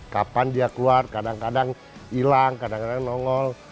kapan dia keluar kadang kadang hilang kadang kadang nongol